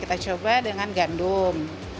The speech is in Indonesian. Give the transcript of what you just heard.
kita coba dengan gandum